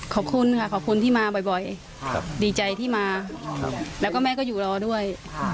ขอบคุณค่ะขอบคุณที่มาบ่อยดีใจที่มาแล้วก็แม่ก็อยู่รอด้วย